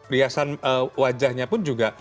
riasan wajahnya pun juga